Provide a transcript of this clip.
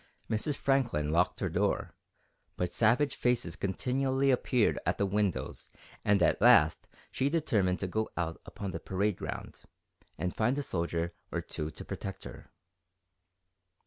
Mrs. Franklin locked her door, but savage faces continually appeared at the windows and at last she determined to go out upon the parade ground and find a soldier or two to protect her.